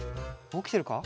おきてるか？